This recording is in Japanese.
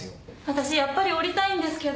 私やっぱり降りたいんですけど。